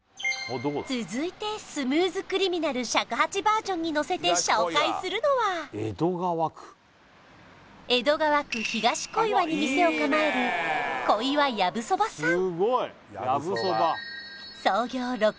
続いて「スムーズ・クリミナル」尺八バージョンにのせて紹介するのは江戸川区東小岩に店を構える小岩やぶそばさん